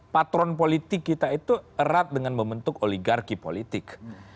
patron politik kita itu erat dengan membentuk oligarki politik